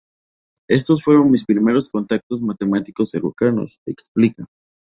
Estos fueron mis primeros contactos matemáticos cercanos"" explica.